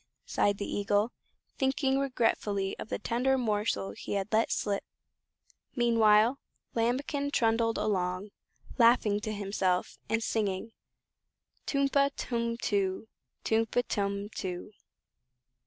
sighed the Eagle, thinking regretfully of the tender morsel he had let slip. Meanwhile Lambikin trundled along, laughing to himself, and singing: "Tum pa, tum too; Tum pa, tum too!"